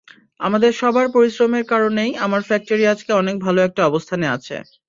আমাদের সবার পরিশ্রমের কারণেই আমার ফ্যক্টরি আজকে অনেক ভালো একটা অবস্থানে আছে।